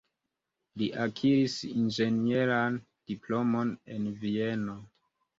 Li akiris inĝenieran diplomon en Vieno.